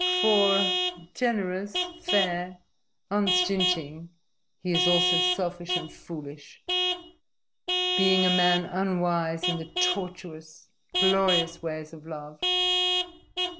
For generous, fair, unstinting he is also selfish and foolish, being a man unwise in the tortuous, glorious ways of love.